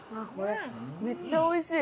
めっちゃ美味しい。